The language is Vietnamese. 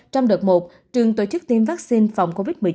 trong đợt một trường tổ chức tiêm vaccine phòng covid một mươi chín